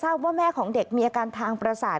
ว่าแม่ของเด็กมีอาการทางประสาท